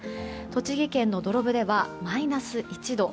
栃木県の土呂部ではマイナス１度。